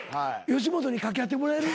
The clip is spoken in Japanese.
吉本に掛け合ってもらえる？